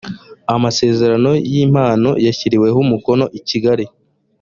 amasezerano y impano yashyiriweho umukono i kigali